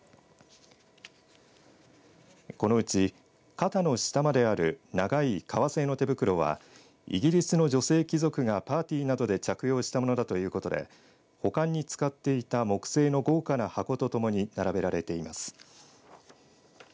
このうち肩の下まである長い革製の手袋はイギリスの女性貴族がパーティーなどで着用したものだということで保管に使っていた木製の豪華な箱とともに並べられています。